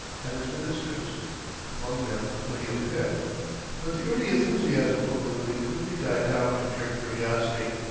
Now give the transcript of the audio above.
and his ministers, among them William Pitt. But the early enthusiasm for ballooning quickly died down to mere curiosity.